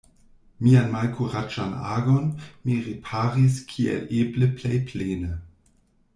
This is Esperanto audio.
Mian malkuraĝan agon mi riparis kiel eble plej plene.